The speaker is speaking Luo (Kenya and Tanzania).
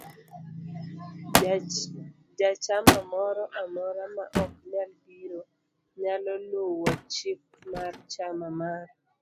Jachamamoro amora ma ok nyal biro, nyalo luwo chik mar chama mar